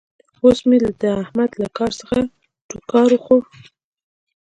اوس مې د احمد له کار څخه ټوکار وخوړ.